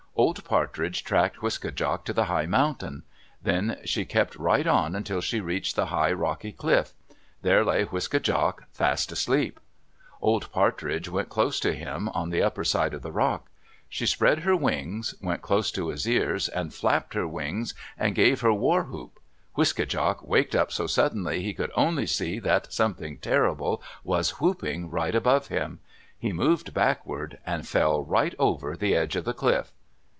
Old Partridge tracked Wiske djak to the high mountain. Then she kept right on until she reached the high, rocky cliff. There lay Wiske djak, fast asleep. Old Partridge went close to him, on the upper side of the rock. She spread her wings, went close to his ears, and flapped her wings and gave her warwhoop. Wiske djak waked up so suddenly he could only see that something terrible was whooping right above him. He moved backward and fell right over the edge of the cliff.